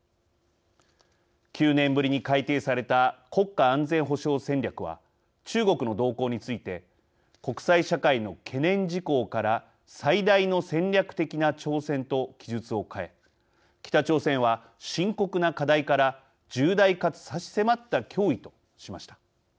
９年ぶりに改定された国家安全保障戦略は中国の動向について国際社会の懸念事項から最大の戦略的な挑戦と記述を変え北朝鮮は深刻な課題から重大かつ差し迫った脅威としました。